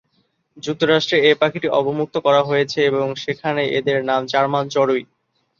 যুক্তরাষ্ট্রে এ পাখিটি অবমুক্ত করা হয়েছে এবং সেখানে এদের নাম জার্মান চড়ুই।